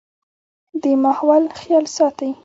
د ماحول خيال ساتئ